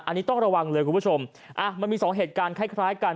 อันนี้ต้องระวังเลยคุณผู้ชมมันมีสองเหตุการณ์คล้ายกัน